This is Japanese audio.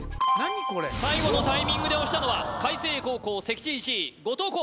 最後のタイミングで押したのは開成高校席次１位後藤弘